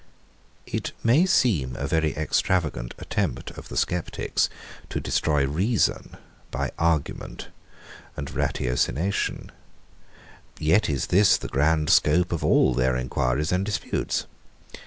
124. It may seem a very extravagant attempt of the sceptics to destroy reason by argument and ratiocination; yet is this the grand scope of all their enquiries and disputes.